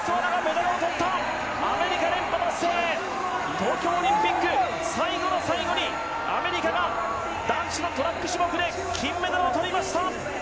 東京オリンピック、最後の最後にアメリカが男子のトラック種目で金メダルをとりました！